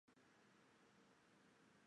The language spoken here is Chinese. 授山西平遥县知县。